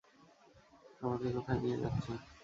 আমাকে কোথায় নিয়ে যাচ্ছেন?